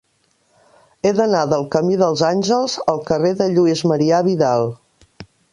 He d'anar del camí dels Àngels al carrer de Lluís Marià Vidal.